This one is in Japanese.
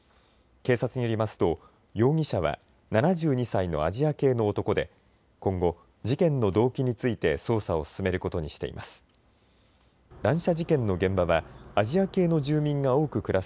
警察によりますと容疑者は７２歳のアジア系の男で今後、事件の動機について捜査を進めることにしています。